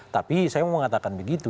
tapi saya mau mengatakan begitu